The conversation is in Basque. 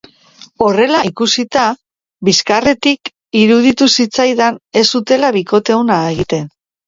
Horrela ikusita, bizkarretik, iruditu zitzaidan ez zutela bikote ona egiten.